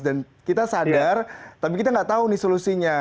dan kita sadar tapi kita nggak tahu nih solusinya